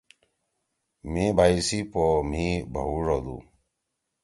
مھی بھئی سی پو مھی بھوُݜ ہودُو۔